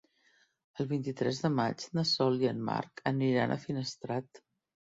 El vint-i-tres de maig na Sol i en Marc aniran a Finestrat.